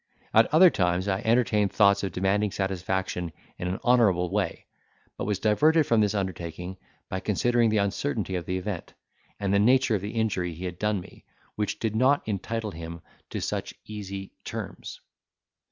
At other times I entertained thoughts of demanding satisfaction in an honourable way; but was diverted from this undertaking by considering the uncertainty of the event, and the nature of the injury he had done me, which did not entitle him to such easy terms.